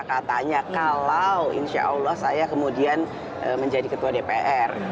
katanya kalau insya allah saya kemudian menjadi ketua dpr